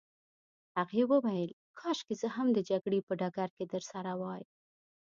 هغې وویل: کاشکې زه هم د جګړې په ډګر کي درسره وای.